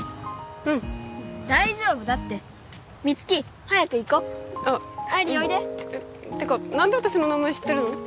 うん大丈夫だって美月早く行こ愛理おいであっうんえっってか何で私の名前知ってるの？